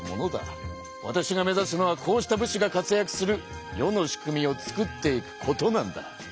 わたしが目ざすのはこうした武士が活やくする世の仕組みをつくっていくことなんだ。